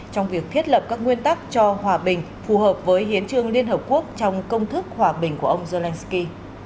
trong việc thiết lập các nguyên tắc cho hòa bình phù hợp với hiến trương liên hợp quốc trong công thức hòa bình của ông zelensky